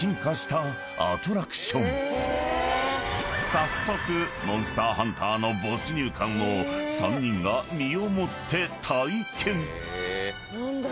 ［早速モンスターハンターの没入感を３人が身をもって体験］